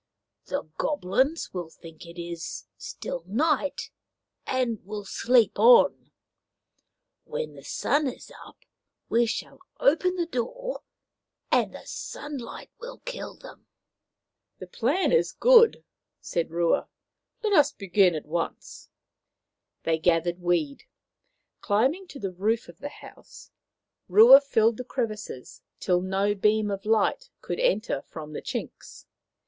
The Goblins will think it is still night and will sleep on. When the sun is up we shall open the door, and the sunlight will kill them." " The plan is good," said Rua. " Let us begin at once." They gathered weed. Climbing to the roof of the house, Rua filled the crevices till no beam of light could enter from the chinks.